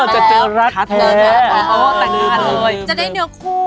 จะเจอรักแท้จะได้เนื้อคู่